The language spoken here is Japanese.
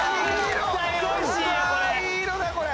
いい色だこれ。